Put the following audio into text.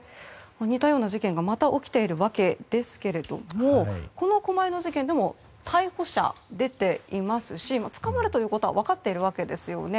似たような事件がまた起きているわけですけれどもこの狛江の事件でも逮捕者が出ていますし捕まるということは分かっているわけですよね。